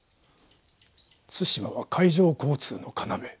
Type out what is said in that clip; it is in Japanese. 対馬は海上交通の要。